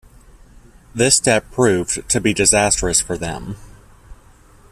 This step proved to be disastrous for them.